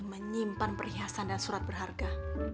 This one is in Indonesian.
menyimpan perhiasan dan surat berharga